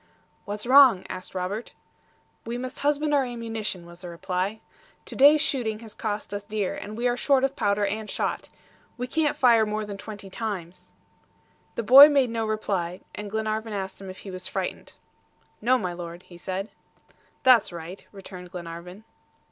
"What's wrong?" asked Robert. "We must husband our ammunition," was the reply. "To day's shooting has cost us dear, and we are short of powder and shot. We can't fire more than twenty times." The boy made no reply, and Glenarvan asked him if he was frightened. "No, my Lord," he said. "That's right," returned Glenarvan.